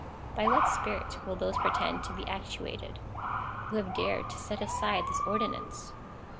By what spirit will those pretend to be actuated, who have dared to set aside this ordinance